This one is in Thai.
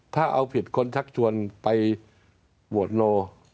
ถ้าเอาผิดคนชักชวนไปโหวตโน